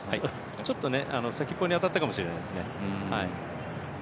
ちょっと先っぽに当たったかもしれないですね。